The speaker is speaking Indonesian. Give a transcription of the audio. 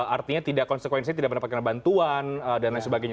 artinya konsekuensinya tidak dapat kena bantuan dan lain sebagainya